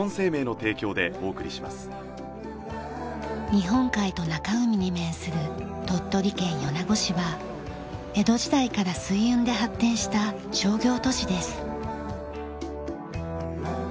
日本海と中海に面する鳥取県米子市は江戸時代から水運で発展した商業都市です。